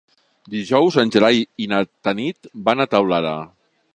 Dijous en Gerai i na Tanit van a Teulada.